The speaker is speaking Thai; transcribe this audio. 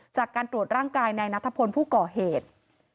จากการตรวจร่างกายนายนัทพลผู้ก่อเหตุ